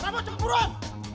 kamu cepet buruan